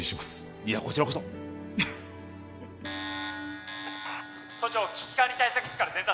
いやこちらこそ都庁危機管理対策室から伝達